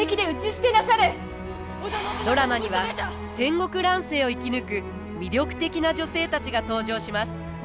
ドラマには戦国乱世を生き抜く魅力的な女性たちが登場します。